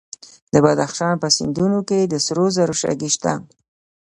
د بدخشان په سیندونو کې د سرو زرو شګې شته.